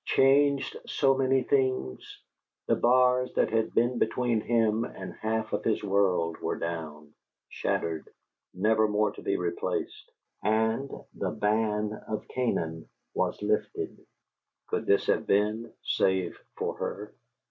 "Changed so many things?" The bars that had been between him and half of his world were down, shattered, never more to be replaced; and the ban of Canaan was lifted. Could this have been, save for her?